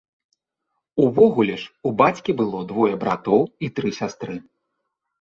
Увогуле ж у бацькі было двое братоў і тры сястры.